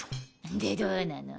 んでどうなの？